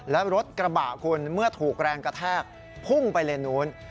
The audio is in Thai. และรถกระบะคุณเมื่อถูกแรงกระแทกพุ่งไปเลนนู้น